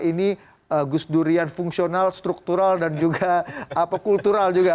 ini gusdurian fungsional struktural dan juga kultural juga